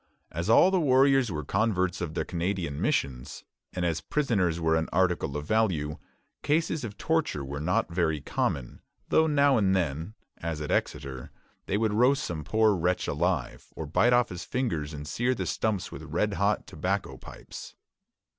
As all the warriors were converts of the Canadian missions, and as prisoners were an article of value, cases of torture were not very common; though now and then, as at Exeter, they would roast some poor wretch alive, or bite off his fingers and sear the stumps with red hot tobacco pipes.